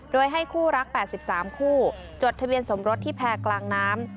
โดยให้คู่รัก๘๓คู่จดทะเบียนสมรสที่แพร่กลางน้ำ